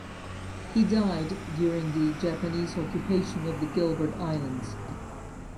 He died during the Japanese occupation of the Gilbert Islands.